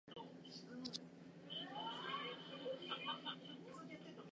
蝉の声が聞こえる。とても近く。生垣のどこかに潜んでいそうだった。間延びした鳴き声だった。